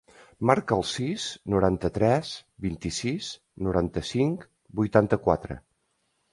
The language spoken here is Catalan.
Marca el sis, noranta-tres, vint-i-sis, noranta-cinc, vuitanta-quatre.